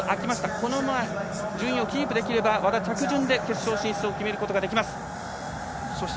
この順位をキープできれば着順で和田は決勝進出を決めることができます。